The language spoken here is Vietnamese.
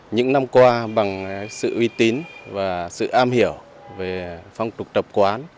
những năm qua bằng sự uy tín và sự am hiểu về phong tục tập quán